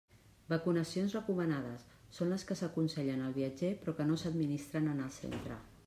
Vacunacions recomanades: són les que s'aconsellen al viatger, però que no s'administren en el centre.